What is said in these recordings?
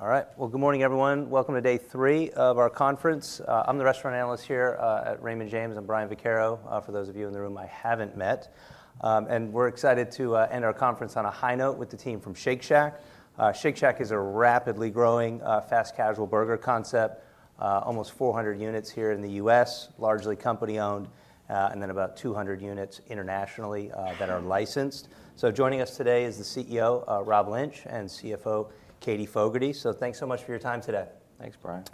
All right. Good morning, everyone. Welcome to day three of our conference. I'm the restaurant analyst here at Raymond James. I'm Brian Vaccaro, for those of you in the room I haven't met. We're excited to end our conference on a high note with the team from Shake Shack. Shake Shack is a rapidly growing fast casual burger concept, almost 400 units here in the U.S., largely company owned, and then about 200 units internationally that are licensed. Joining us today is the CEO, Rob Lynch, and CFO, Katie Fogertey. Thanks so much for your time today. Thanks, Brian.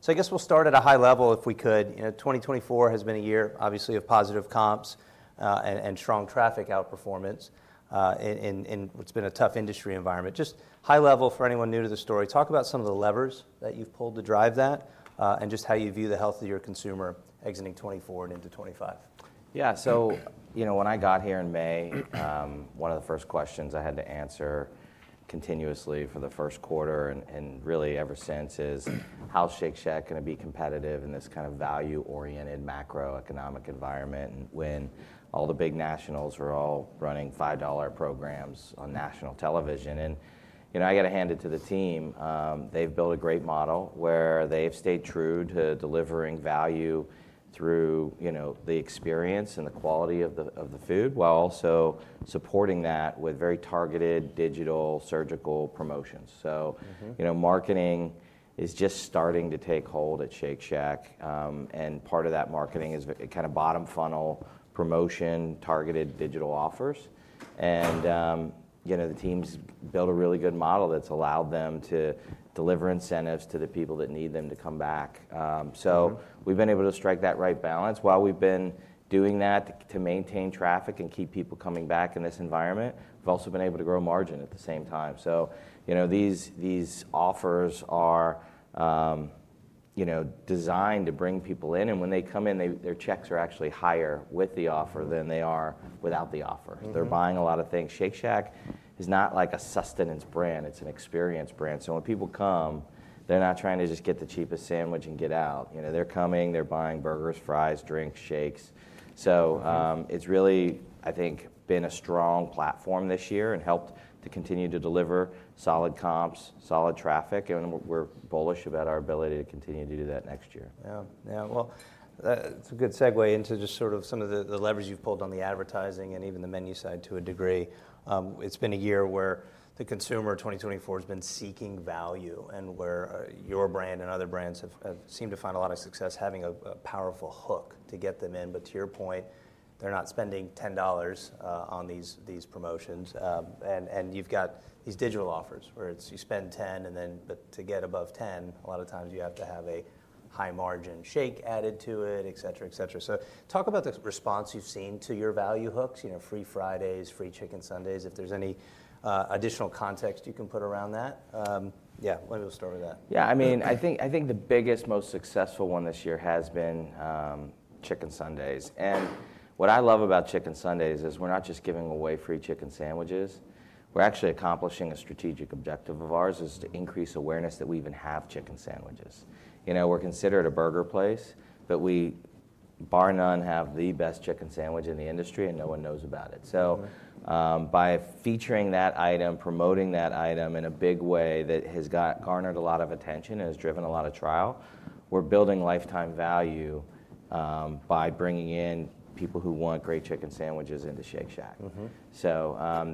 So I guess we'll start at a high level if we could. 2024 has been a year, obviously, of positive comps and strong traffic outperformance, and it's been a tough industry environment. Just high level for anyone new to the story, talk about some of the levers that you've pulled to drive that and just how you view the health of your consumer exiting 2024 and into 2025? Yeah. So when I got here in May, one of the first questions I had to answer continuously for the first quarter and really ever since is, how's Shake Shack going to be competitive in this kind of value-oriented macroeconomic environment when all the big nationals are all running $5 programs on national television? And I got to hand it to the team. They've built a great model where they've stayed true to delivering value through the experience and the quality of the food while also supporting that with very targeted digital surgical promotions. So marketing is just starting to take hold at Shake Shack. And part of that marketing is kind of bottom funnel promotion, targeted digital offers. And the team's built a really good model that's allowed them to deliver incentives to the people that need them to come back. So we've been able to strike that right balance. While we've been doing that to maintain traffic and keep people coming back in this environment, we've also been able to grow margin at the same time. So these offers are designed to bring people in. And when they come in, their checks are actually higher with the offer than they are without the offer. They're buying a lot of things. Shake Shack is not like a sustenance brand. It's an experience brand. So when people come, they're not trying to just get the cheapest sandwich and get out. They're coming. They're buying burgers, fries, drinks, shakes. So it's really, I think, been a strong platform this year and helped to continue to deliver solid comps, solid traffic. And we're bullish about our ability to continue to do that next year. Yeah. Yeah. Well, that's a good segue into just sort of some of the levers you've pulled on the advertising and even the menu side to a degree. It's been a year where the consumer 2024 has been seeking value and where your brand and other brands have seemed to find a lot of success having a powerful hook to get them in. But to your point, they're not spending $10 on these promotions. And you've got these digital offers where you spend $10, but to get above $10, a lot of times you have to have a high margin shake added to it, et cetera, et cetera. So talk about the response you've seen to your value hooks, free Fridays, free chicken Sundays, if there's any additional context you can put around that? Yeah. Maybe we'll start with that. Yeah. I mean, I think the biggest, most successful one this year has been chicken Sundays. And what I love about chicken Sundays is we're not just giving away free chicken sandwiches. We're actually accomplishing a strategic objective of ours: to increase awareness that we even have chicken sandwiches. We're considered a burger place, but we bar none have the best chicken sandwich in the industry, and no one knows about it. So by featuring that item, promoting that item in a big way that has garnered a lot of attention and has driven a lot of trial, we're building lifetime value by bringing in people who want great chicken sandwiches into Shake Shack. So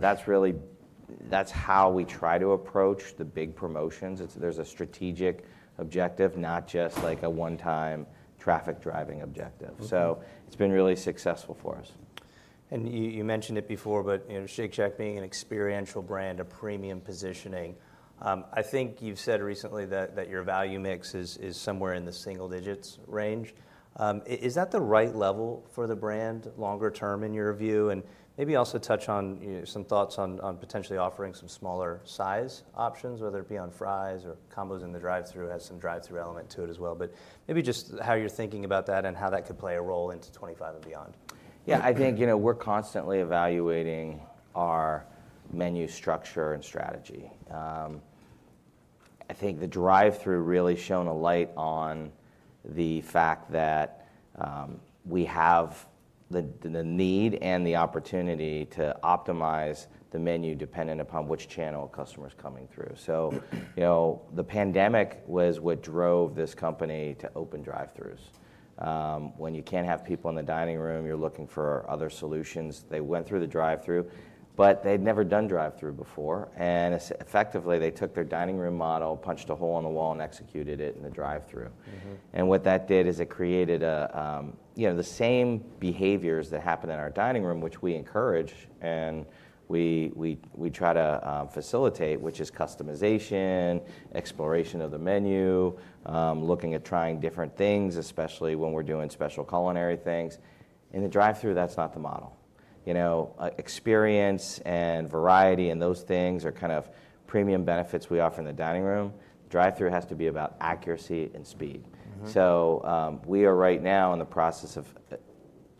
that's how we try to approach the big promotions. There's a strategic objective, not just like a one-time traffic driving objective. So it's been really successful for us. And you mentioned it before, but Shake Shack being an experiential brand, a premium positioning. I think you've said recently that your value mix is somewhere in the single digits range. Is that the right level for the brand longer term in your view? And maybe also touch on some thoughts on potentially offering some smaller size options, whether it be on fries or combos in the drive-thru has some drive-thru element to it as well. But maybe just how you're thinking about that and how that could play a role into 2025 and beyond. Yeah. I think we're constantly evaluating our menu structure and strategy. I think the drive-thru really shone a light on the fact that we have the need and the opportunity to optimize the menu dependent upon which channel a customer is coming through. So the pandemic was what drove this company to open drive-thrus. When you can't have people in the dining room, you're looking for other solutions. They went through the drive-thru, but they'd never done drive-thru before. And effectively, they took their dining room model, punched a hole in the wall, and executed it in the drive-thru. And what that did is it created the same behaviors that happen in our dining room, which we encourage and we try to facilitate, which is customization, exploration of the menu, looking at trying different things, especially when we're doing special culinary things. In the drive-thru, that's not the model. Experience and variety and those things are kind of premium benefits we offer in the dining room. Drive-thru has to be about accuracy and speed. So we are right now in the process of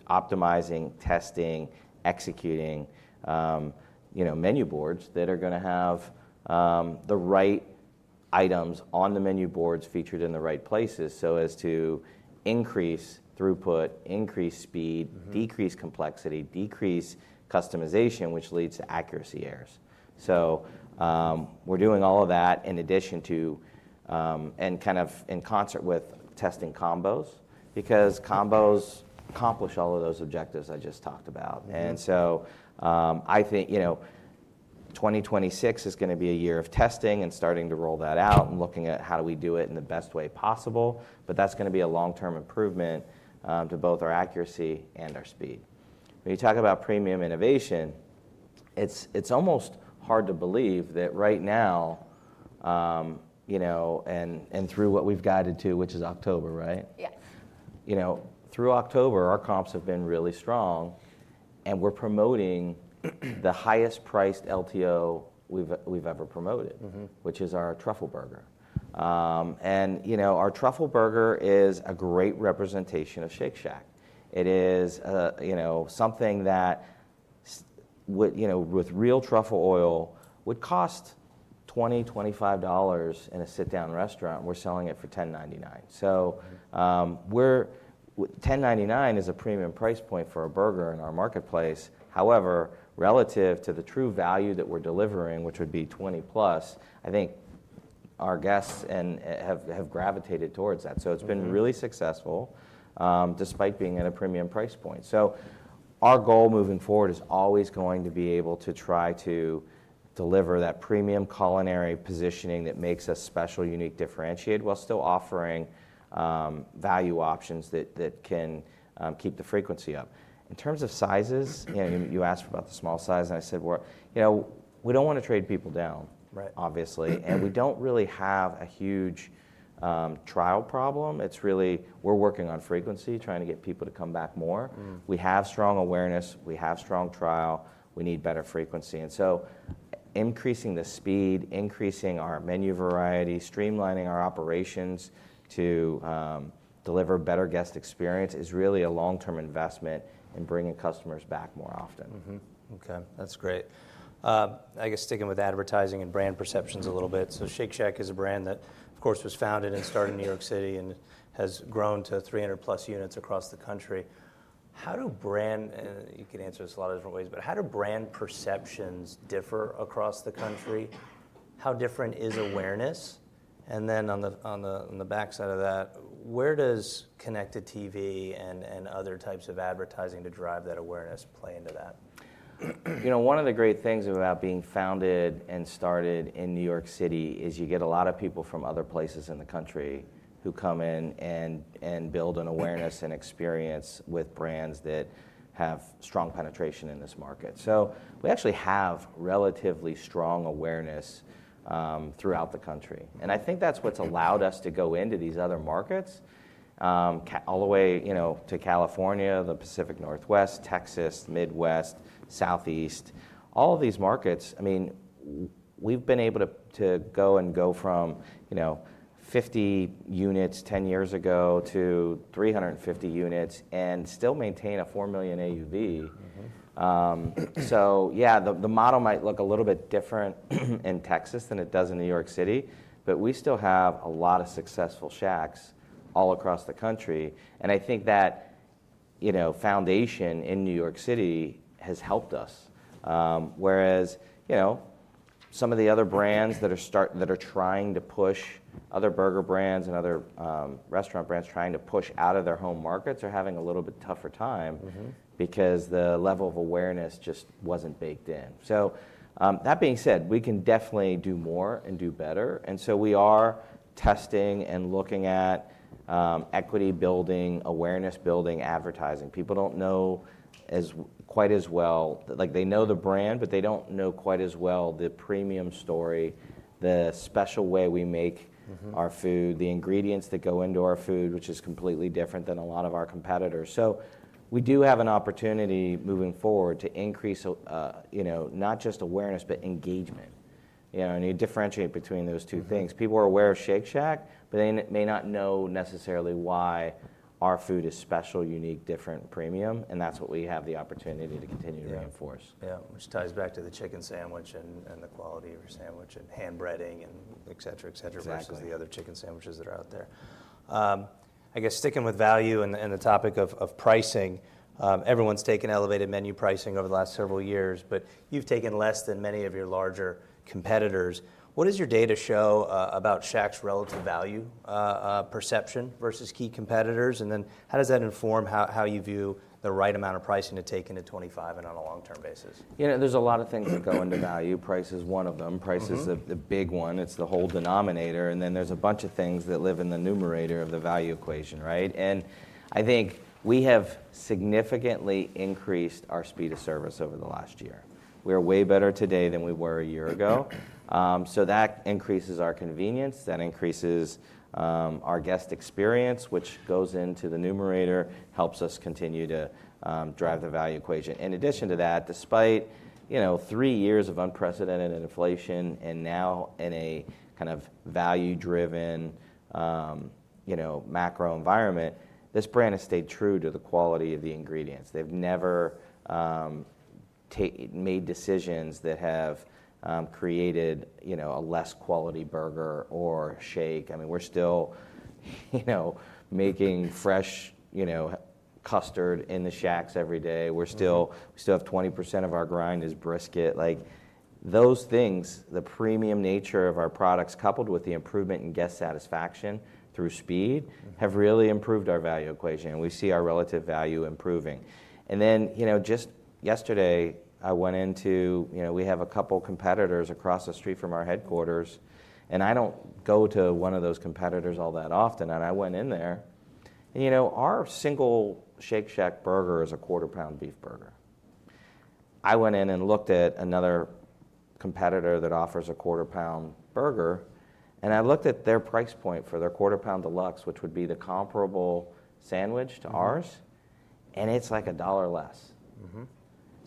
optimizing, testing, executing menu boards that are going to have the right items on the menu boards featured in the right places so as to increase throughput, increase speed, decrease complexity, decrease customization, which leads to accuracy errors. So we're doing all of that in addition to and kind of in concert with testing combos because combos accomplish all of those objectives I just talked about. And so I think 2026 is going to be a year of testing and starting to roll that out and looking at how do we do it in the best way possible. But that's going to be a long-term improvement to both our accuracy and our speed. When you talk about premium innovation, it's almost hard to believe that right now and through what we've guided to, which is October, right? Yeah. Through October, our comps have been really strong, and we're promoting the highest-priced LTO we've ever promoted, which is our Truffle Burger, and our Truffle Burger is a great representation of Shake Shack. It is something that with real truffle oil would cost $20-$25 in a sit-down restaurant. We're selling it for $10.99, so $10.99 is a premium price point for a burger in our marketplace. However, relative to the true value that we're delivering, which would be $20+, I think our guests have gravitated towards that, so it's been really successful despite being at a premium price point, so our goal moving forward is always going to be able to try to deliver that premium culinary positioning that makes us special, unique, differentiated while still offering value options that can keep the frequency up. In terms of sizes, you asked about the small size, and I said, we don't want to trade people down, obviously. And we don't really have a huge trial problem. It's really we're working on frequency, trying to get people to come back more. We have strong awareness. We have strong trial. We need better frequency. And so increasing the speed, increasing our menu variety, streamlining our operations to deliver better guest experience is really a long-term investment in bringing customers back more often. Okay. That's great. I guess sticking with advertising and brand perceptions a little bit. So Shake Shack is a brand that, of course, was founded and started in New York City and has grown to 300+ units across the country. You can answer this a lot of different ways, but how do brand perceptions differ across the country? How different is awareness? And then on the backside of that, where does connected TV and other types of advertising to drive that awareness play into that? One of the great things about being founded and started in New York City is you get a lot of people from other places in the country who come in and build an awareness and experience with brands that have strong penetration in this market. So we actually have relatively strong awareness throughout the country. And I think that's what's allowed us to go into these other markets all the way to California, the Pacific Northwest, Texas, Midwest, Southeast. All of these markets, I mean, we've been able to go and go from 50 units, 10 years ago, to 350 units and still maintain a $4 million AUV. So yeah, the model might look a little bit different in Texas than it does in New York City, but we still have a lot of successful shacks all across the country. I think that foundation in New York City has helped us. Whereas some of the other brands that are trying to push, other burger brands and other restaurant brands trying to push out of their home markets are having a little bit tougher time because the level of awareness just wasn't baked in. That being said, we can definitely do more and do better. We are testing and looking at equity building, awareness building, advertising. People don't know quite as well. They know the brand, but they don't know quite as well the premium story, the special way we make our food, the ingredients that go into our food, which is completely different than a lot of our competitors. We do have an opportunity moving forward to increase not just awareness, but engagement. You differentiate between those two things. People are aware of Shake Shack, but they may not know necessarily why our food is special, unique, different, premium, and that's what we have the opportunity to continue to reinforce. Yeah. Which ties back to the chicken sandwich and the quality of your sandwich and hand breading, et cetera, et cetera. Exactly. Versus the other chicken sandwiches that are out there. I guess sticking with value and the topic of pricing, everyone's taken elevated menu pricing over the last several years, but you've taken less than many of your larger competitors. What does your data show about Shack's relative value perception versus key competitors? And then how does that inform how you view the right amount of pricing to take into 2025 and on a long-term basis? There's a lot of things that go into value. Price is one of them. Price is the big one. It's the whole denominator. And then there's a bunch of things that live in the numerator of the value equation, right? And I think we have significantly increased our speed of service over the last year. We are way better today than we were a year ago. So that increases our convenience. That increases our guest experience, which goes into the numerator, helps us continue to drive the value equation. In addition to that, despite three years of unprecedented inflation and now in a kind of value-driven macro environment, this brand has stayed true to the quality of the ingredients. They've never made decisions that have created a less quality burger or shake. I mean, we're still making fresh custard in the shacks every day. We still have 20% of our grind is brisket. Those things, the premium nature of our products coupled with the improvement in guest satisfaction through speed have really improved our value equation. We see our relative value improving. And then just yesterday, I went into we have a couple of competitors across the street from our headquarters. And I don't go to one of those competitors all that often. And I went in there. And our single Shake Shack burger is a quarter-pound beef burger. I went in and looked at another competitor that offers a quarter-pound burger. And I looked at their price point for their quarter-pound deluxe, which would be the comparable sandwich to ours. And it's like $1 less.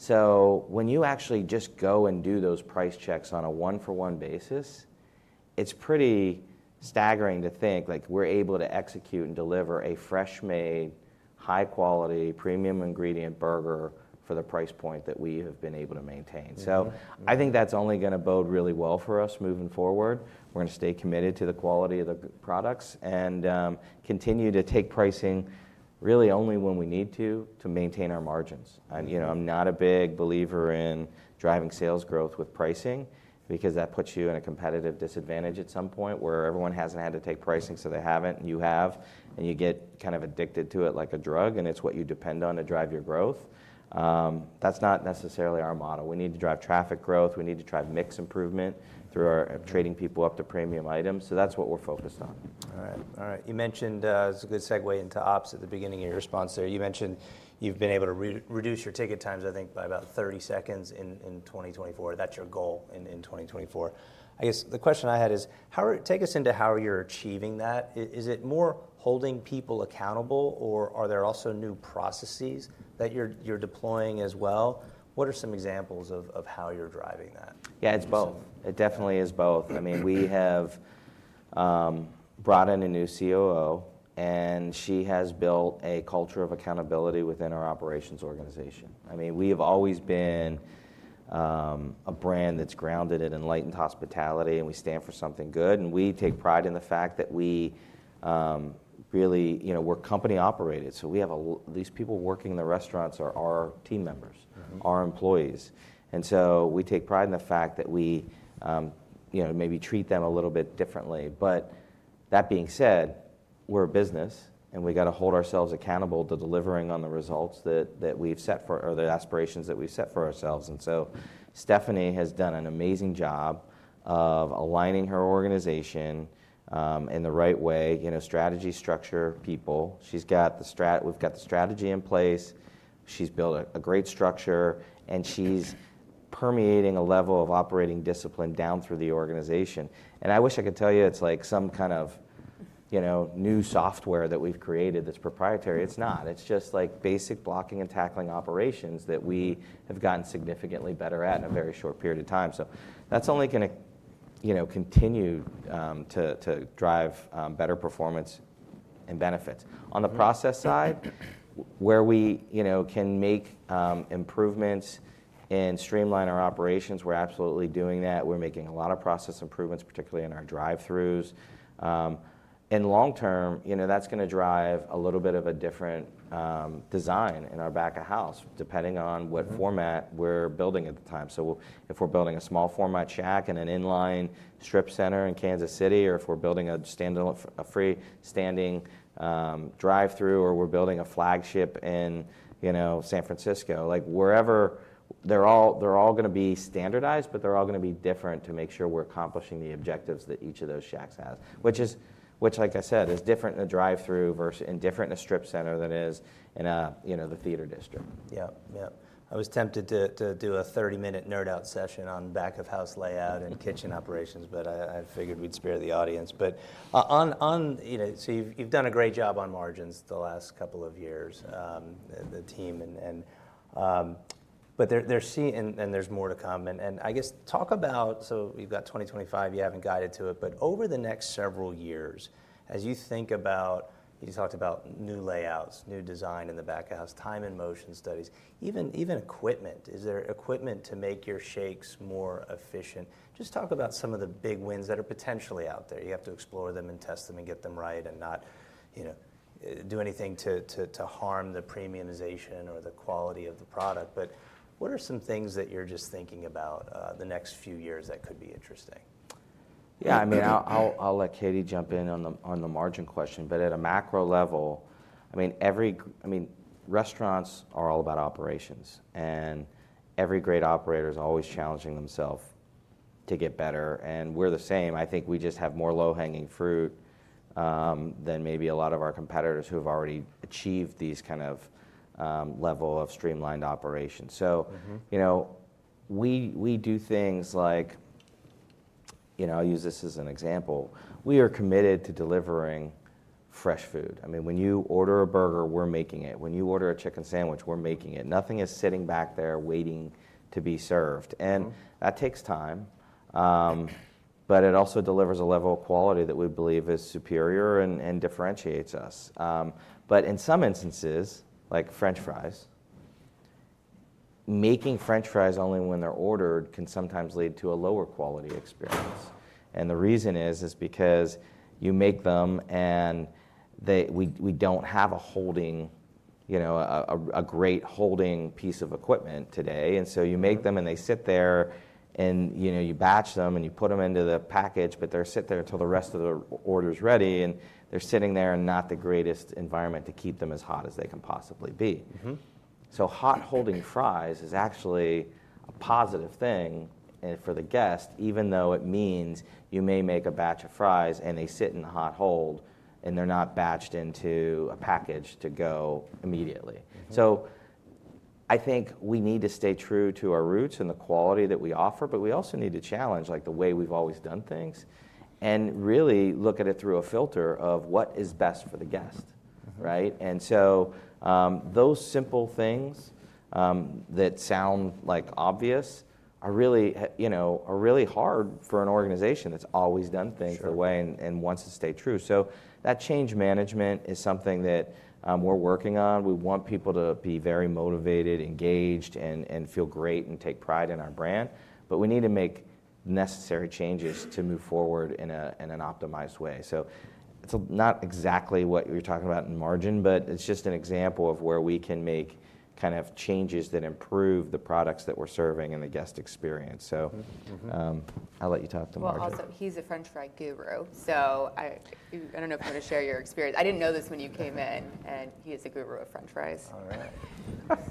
So when you actually just go and do those price checks on a one-for-one basis, it's pretty staggering to think we're able to execute and deliver a fresh-made, high-quality, premium ingredient burger for the price point that we have been able to maintain. So I think that's only going to bode really well for us moving forward. We're going to stay committed to the quality of the products and continue to take pricing really only when we need to to maintain our margins. I'm not a big believer in driving sales growth with pricing because that puts you in a competitive disadvantage at some point where everyone hasn't had to take pricing so they haven't. You have. And you get kind of addicted to it like a drug. And it's what you depend on to drive your growth. That's not necessarily our model. We need to drive traffic growth. We need to drive mix improvement through trading people up to premium items. So that's what we're focused on. All right. All right. You mentioned it's a good segue into ops at the beginning of your response there. You mentioned you've been able to reduce your ticket times, I think, by about 30 seconds in 2024. That's your goal in 2024. I guess the question I had is take us into how you're achieving that. Is it more holding people accountable, or are there also new processes that you're deploying as well? What are some examples of how you're driving that? Yeah, it's both. It definitely is both. I mean, we have brought in a new COO, and she has built a culture of accountability within our operations organization. I mean, we have always been a brand that's grounded in Enlightened Hospitality, and we stand for something good. We take pride in the fact that we really we're company operated. So we have these people working in the restaurants are our team members, our employees. We take pride in the fact that we maybe treat them a little bit differently. But that being said, we're a business, and we've got to hold ourselves accountable to delivering on the results that we've set for or the aspirations that we've set for ourselves. Stephanie has done an amazing job of aligning her organization in the right way, strategy structure, people. We've got the strategy in place. She's built a great structure, and she's permeating a level of operating discipline down through the organization, and I wish I could tell you it's like some kind of new software that we've created that's proprietary. It's not. It's just like basic blocking and tackling operations that we have gotten significantly better at in a very short period of time, so that's only going to continue to drive better performance and benefits. On the process side, where we can make improvements and streamline our operations, we're absolutely doing that. We're making a lot of process improvements, particularly in our drive-throughs, and long-term, that's going to drive a little bit of a different design in our back of house, depending on what format we're building at the time. So if we're building a small-format shack in an inline strip center in Kansas City, or if we're building a free-standing drive-through, or we're building a flagship in San Francisco, they're all going to be standardized, but they're all going to be different to make sure we're accomplishing the objectives that each of those shacks has, which, like I said, is different in a drive-through versus different in a strip center than it is in the theater district. Yep. Yep. I was tempted to do a 30-minute nerd-out session on back-of-house layout and kitchen operations, but I figured we'd spare the audience. So you've done a great job on margins the last couple of years, the team. And there's more to come. And I guess talk about so you've got 2025. You haven't guided to it. But over the next several years, as you think about you talked about new layouts, new design in the back of house, time and motion studies, even equipment. Is there equipment to make your shakes more efficient? Just talk about some of the big wins that are potentially out there. You have to explore them and test them and get them right and not do anything to harm the premiumization or the quality of the product. But what are some things that you're just thinking about the next few years that could be interesting? Yeah. I mean, I'll let Katie jump in on the margin question. But at a macro level, I mean, restaurants are all about operations. And every great operator is always challenging themself to get better. And we're the same. I think we just have more low-hanging fruit than maybe a lot of our competitors who have already achieved these kind of level of streamlined operations. So we do things like I'll use this as an example. We are committed to delivering fresh food. I mean, when you order a burger, we're making it. When you order a chicken sandwich, we're making it. Nothing is sitting back there waiting to be served. And that takes time. But it also delivers a level of quality that we believe is superior and differentiates us. In some instances, like French fries, making French fries only when they're ordered can sometimes lead to a lower quality experience. The reason is because you make them, and we don't have a great holding piece of equipment today. So you make them, and they sit there. You batch them, and you put them into the package. They sit there until the rest of the order is ready. They're sitting there in not the greatest environment to keep them as hot as they can possibly be. Hot-holding fries is actually a positive thing for the guest, even though it means you may make a batch of fries, and they sit in the hot hold, and they're not batched into a package to go immediately. I think we need to stay true to our roots and the quality that we offer. But we also need to challenge the way we've always done things and really look at it through a filter of what is best for the guest, right? And so those simple things that sound like obvious are really hard for an organization that's always done things their way and wants to stay true. So that change management is something that we're working on. We want people to be very motivated, engaged, and feel great and take pride in our brand. But we need to make necessary changes to move forward in an optimized way. So it's not exactly what you're talking about in margin, but it's just an example of where we can make kind of changes that improve the products that we're serving and the guest experience. So I'll let you talk to. Also, he's a French fry guru. I don't know if you want to share your experience. I didn't know this when you came in. He is a guru of French fries. All right.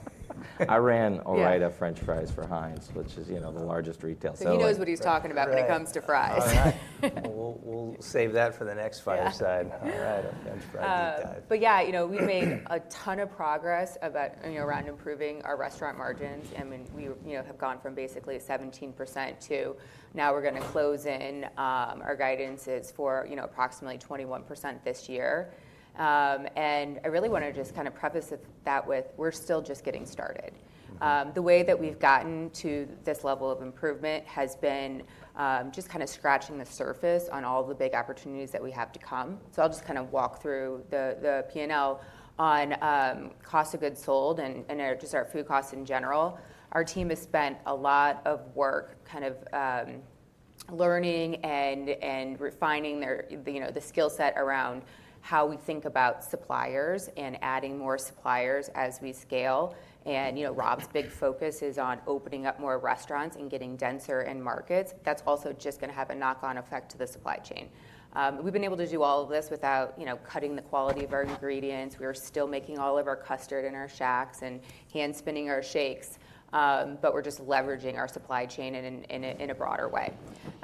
I ran Ore-Ida French Fries for Heinz, which is the largest retail seller. He knows what he's talking about when it comes to fries. We'll save that for the next fireside. All right, a French fry deep-dive. But yeah, we've made a ton of progress around improving our restaurant margins. I mean, we have gone from basically 17% to now we're going to close in. Our guidance is for approximately 21% this year, and I really want to just kind of preface that with we're still just getting started. The way that we've gotten to this level of improvement has been just kind of scratching the surface on all the big opportunities that we have to come. So I'll just kind of walk through the P&L on cost of goods sold and just our food costs in general. Our team has spent a lot of work kind of learning and refining the skill set around how we think about suppliers and adding more suppliers as we scale, and Rob's big focus is on opening up more restaurants and getting denser in markets. That's also just going to have a knock-on effect to the supply chain. We've been able to do all of this without cutting the quality of our ingredients. We are still making all of our custard in our shacks and hand-spinning our shakes. But we're just leveraging our supply chain in a broader way.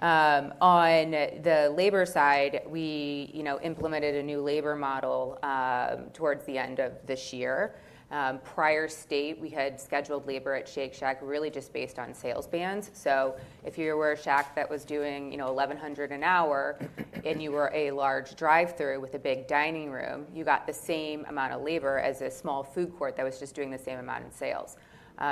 On the labor side, we implemented a new labor model towards the end of this year. Prior state, we had scheduled labor at Shake Shack really just based on sales bands. So if you were a shack that was doing $1,100 an hour, and you were a large drive-through with a big dining room, you got the same amount of labor as a small food court that was just doing the same amount in sales.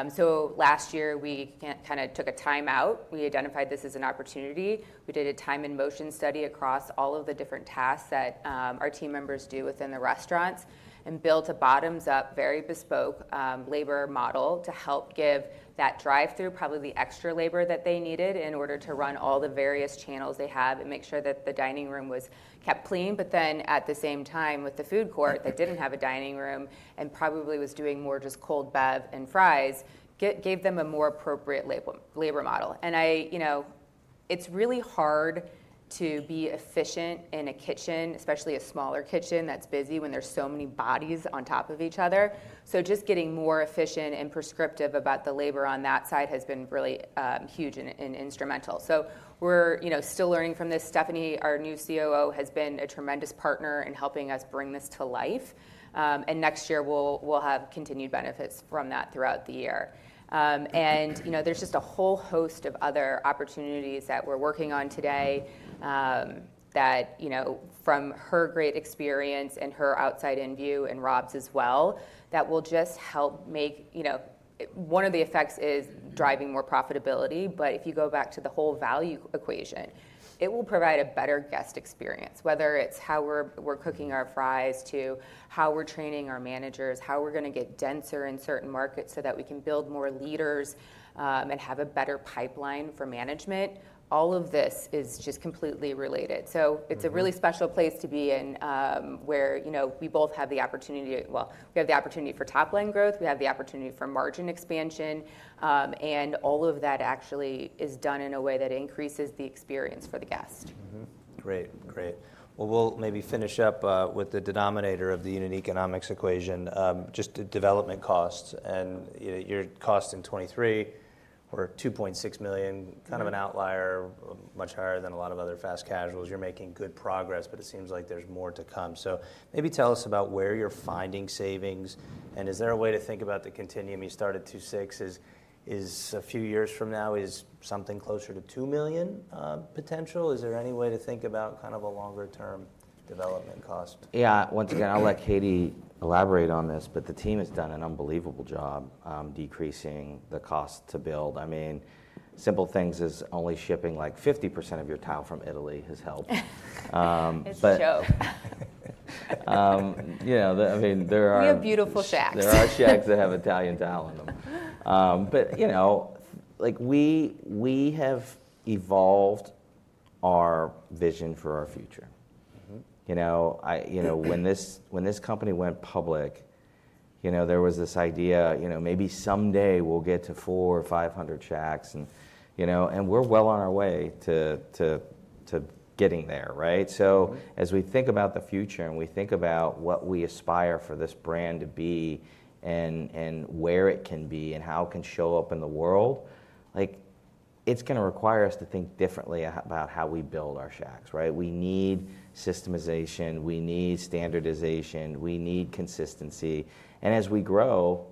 So last year, we kind of took a timeout. We identified this as an opportunity. We did a time and motion study across all of the different tasks that our team members do within the restaurants and built a bottoms-up, very bespoke labor model to help give that drive-thru probably the extra labor that they needed in order to run all the various channels they have and make sure that the dining room was kept clean. But then at the same time, with the food court that didn't have a dining room and probably was doing more just cold bev and fries, it gave them a more appropriate labor model. And it's really hard to be efficient in a kitchen, especially a smaller kitchen that's busy when there's so many bodies on top of each other. So just getting more efficient and prescriptive about the labor on that side has been really huge and instrumental. So we're still learning from this. Stephanie, our new COO, has been a tremendous partner in helping us bring this to life, and next year, we'll have continued benefits from that throughout the year, and there's just a whole host of other opportunities that we're working on today that, from her great experience and her outside-in view and Rob's as well, that will just help make one of the effects is driving more profitability, but if you go back to the whole value equation, it will provide a better guest experience, whether it's how we're cooking our fries to how we're training our managers, how we're going to get denser in certain markets so that we can build more leaders and have a better pipeline for management. All of this is just completely related, so it's a really special place to be in where we both have the opportunity, well, we have the opportunity for top-line growth. We have the opportunity for margin expansion, and all of that actually is done in a way that increases the experience for the guest. Great. Great. Well, we'll maybe finish up with the denominator of the unit economics equation, just development costs, and your cost in 2023 was $2.6 million, kind of an outlier, much higher than a lot of other fast casuals. You're making good progress, but it seems like there's more to come, so maybe tell us about where you're finding savings. And is there a way to think about the continuum you started $2.6 million? Is a few years from now something closer to $2 million potential? Is there any way to think about kind of a longer-term development cost? Yeah. Once again, I'll let Katie elaborate on this, but the team has done an unbelievable job decreasing the cost to build. I mean, simple things as only shipping like 50% of your tile from Italy has helped. It's a joke. I mean, there are. We have beautiful shacks. There are shacks that have Italian tile in them. But we have evolved our vision for our future. When this company went public, there was this idea, maybe someday we'll get to 400 shacks-500 shacks. And we're well on our way to getting there, right? So as we think about the future and we think about what we aspire for this brand to be and where it can be and how it can show up in the world, it's going to require us to think differently about how we build our shacks, right? We need systemization. We need standardization. We need consistency. And as we grow,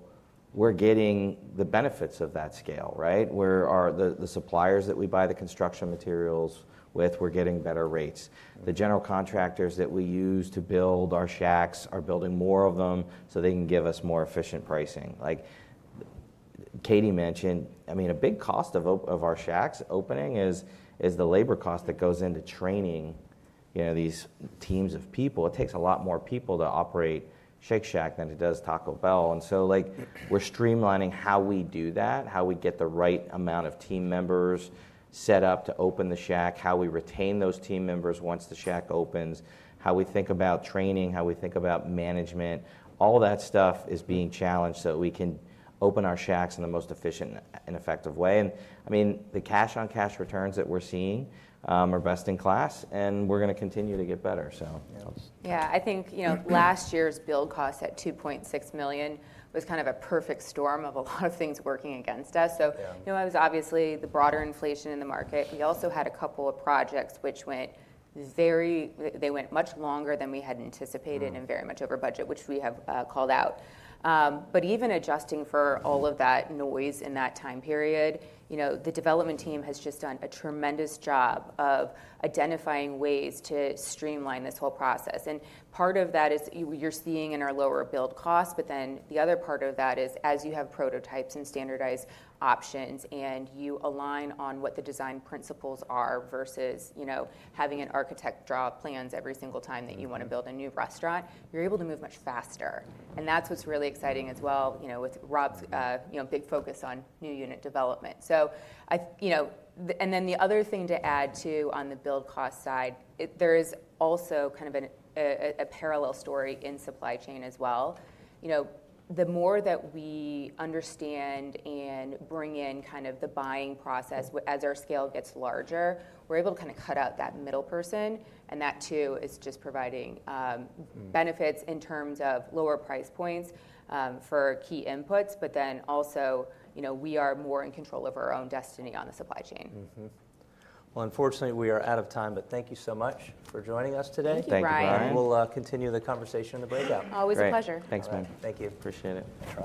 we're getting the benefits of that scale, right? The suppliers that we buy the construction materials with, we're getting better rates. The general contractors that we use to build our shacks are building more of them so they can give us more efficient pricing. Katie mentioned, I mean, a big cost of our shacks opening is the labor cost that goes into training these teams of people. It takes a lot more people to operate Shake Shack than it does Taco Bell, and so we're streamlining how we do that, how we get the right amount of team members set up to open the shack, how we retain those team members once the shack opens, how we think about training, how we think about management. All that stuff is being challenged so that we can open our shacks in the most efficient and effective way, and I mean, the cash-on-cash returns that we're seeing are best in class, and we're going to continue to get better. Yeah. I think last year's build costs at $2.6 million was kind of a perfect storm of a lot of things working against us. So it was obviously the broader inflation in the market. We also had a couple of projects which went much longer than we had anticipated and very much over budget, which we have called out. But even adjusting for all of that noise in that time period, the development team has just done a tremendous job of identifying ways to streamline this whole process. And part of that is you're seeing in our lower build costs. But then the other part of that is as you have prototypes and standardized options and you align on what the design principles are versus having an architect draw plans every single time that you want to build a new restaurant, you're able to move much faster. And that's what's really exciting as well with Rob's big focus on new unit development. And then the other thing to add too on the build cost side, there is also kind of a parallel story in supply chain as well. The more that we understand and bring in kind of the buying process as our scale gets larger, we're able to kind of cut out that middle person. And that too is just providing benefits in terms of lower price points for key inputs. But then also, we are more in control of our own destiny on the supply chain. Unfortunately, we are out of time. Thank you so much for joining us today. Thank you, Brian. We'll continue the conversation in the breakout. Always a pleasure. Thanks, man. Thank you. Appreciate it.